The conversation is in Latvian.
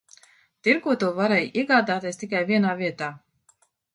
Tirgū to varēja iegādāties tikai vienā vietā.